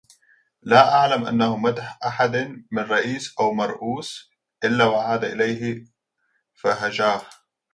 لا أعلم أنه مدح أحداً من رئيس أو مرؤوس، إلا وعاد إليه فهجاه